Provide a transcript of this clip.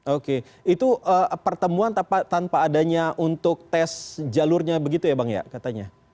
oke itu pertemuan tanpa adanya untuk tes jalurnya begitu ya bang ya katanya